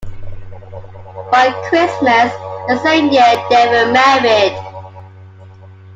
By Christmas that same year they were married.